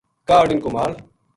کاہڈ اِنھ کو مال